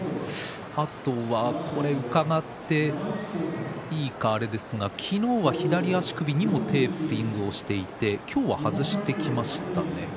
これを伺っていいかはあれですが、昨日は左足首にもテーピングをしていて今日は外してきましたね。